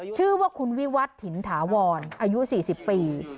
ชื่อว่าคุณวิวัฒน์ถิ่นถาวรอายุ๔๐ปี